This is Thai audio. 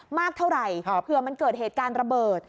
มากเท่าไหร่เผื่อมันเกิดเหตุการณ์ระเบิด